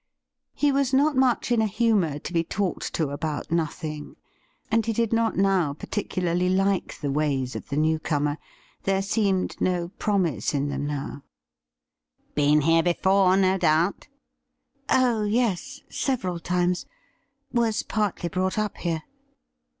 He was not much in a humour to be talked to about nothing, and he did not now particularly like the ways 3 34 THE RIDDLE RING of the new comer ; there seemed no promise in them now, ' Been here before, no doubt ?'' Oh yes, several times ; was partly brought up here.'